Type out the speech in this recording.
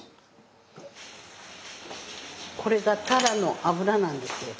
これがタラの油なんですよ。